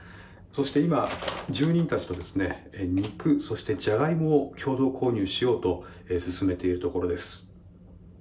そして今、住人たちと肉、そしてジャガイモを共同購入しようと進めているところです。